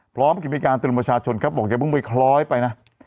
พร้อมกับมีการเตือนประชาชนครับบอกอย่าเพิ่งไปคล้อยไปนะ